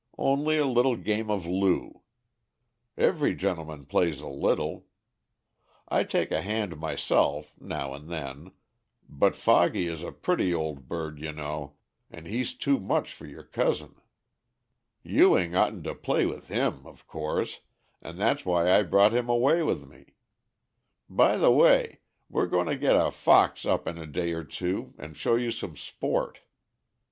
Only a little game of loo. Every gentleman plays a little. I take a hand myself, now and then; but Foggy is a pretty old bird, you know, and he's too much for your cousin. Ewing oughtn't to play with him, of course, and that's why I brought him away with me. By the way, we're going to get a fox up in a day or two and show you some sport.